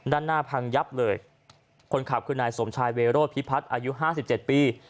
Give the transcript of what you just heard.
ด้านหน้าพังยับเลยคนขับคือนายสมชายเวโรธพิพัฒน์อายุห้าสิบเจ็ดปี